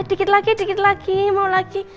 dikit lagi dikit lagi mau lagi